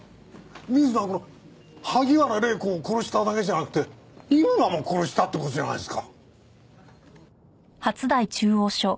水野はこの萩原礼子を殺しただけじゃなくて井村も殺したって事じゃないですか。